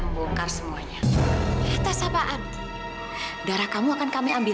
sehingga mas iksan turun dan sampai